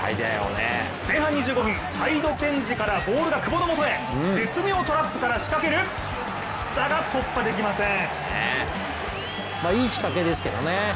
前半２５分、サイドチェンジからボールは久保のもとへ、絶妙トラップから仕掛ける、いい仕掛けですけどね。